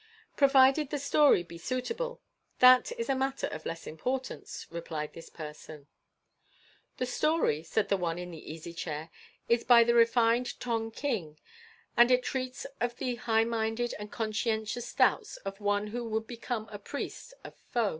"Provided the story be suitable, that is a matter of less importance," replied this person. "The story," said the one in the easy chair, "is by the refined Tong king, and it treats of the high minded and conscientious doubts of one who would become a priest of Fo.